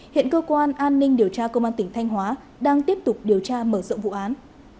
hiện cơ quan an ninh điều tra công an tỉnh thanh hóa đang tiếp tục điều tra mở rộng vụ án